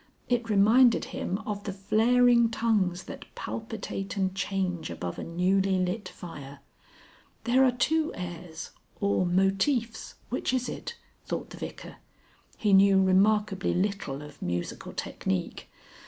It reminded him of the flaring tongues that palpitate and change above a newly lit fire. There are two airs or motifs, which is it? thought the Vicar. He knew remarkably little of musical technique.